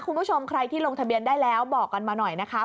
คุณผู้ชมใครที่ลงทะเบียนได้แล้วบอกกันมาหน่อยนะคะ